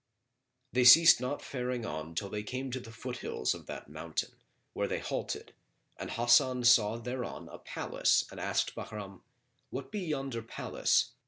They ceased not faring on till they came to the foothills of that mountain where they halted; and Hasan saw thereon a palace and asked Bahram, "What be yonder palace?"